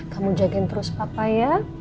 kamu jagain terus papa ya